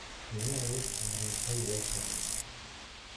Миңә ул айырыуса йылы ҡарай.